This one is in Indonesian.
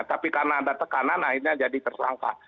tapi karena ada tekanan akhirnya jadi tersangka